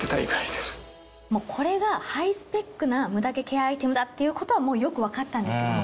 これがハイスペックなムダ毛ケアアイテムだっていうことはよく分かったんですけども。